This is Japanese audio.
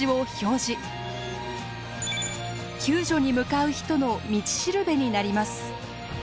救助に向かう人の道しるべになります。